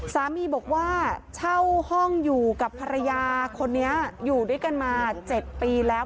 สามีบอกว่าเช่าห้องอยู่กับภรรยาคนนี้อยู่ด้วยกันมา๗ปีแล้ว